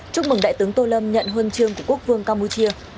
chúc mừng đại tướng tô lâm nhận huân chương của quốc vương campuchia